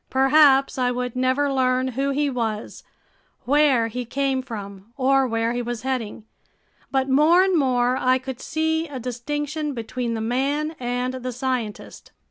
Perhaps I would never learn who he was, where he came from or where he was heading, but more and more I could see a distinction between the man and the scientist.